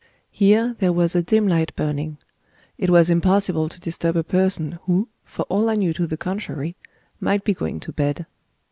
Here, there was a dim light burning. It was impossible to disturb a person, who, for all I knew to the contrary, might be going to bed.